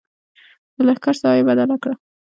د لښکر ساحه یې بدله کړه.